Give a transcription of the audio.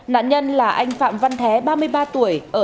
nạn nhân là anh phạm văn thế ba mươi ba tuổi